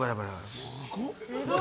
すごっ。